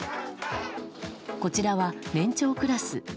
こちらは、年長クラス。